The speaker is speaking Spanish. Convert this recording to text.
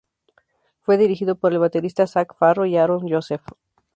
Fue dirigido por el baterista Zac Farro y Aaron Joseph.